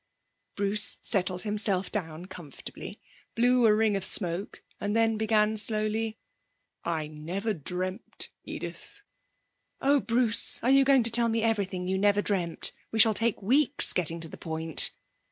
Bruce settled himself down comfortably, blew a ring of smoke, and then began slowly: 'I never dreamt, Edith ' 'Oh, Bruce, are you going to tell me everything you never dreamt? We shall take weeks getting to the point.'